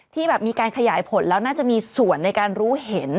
ที่แบบมีการขยายผลแล้วน่าจะมีส่วนในการรู้เห็น